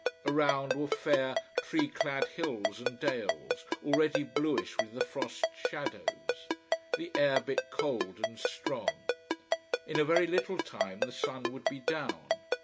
Around were fair, tree clad hills and dales, already bluish with the frost shadows. The air bit cold and strong. In a very little time the sun would be down.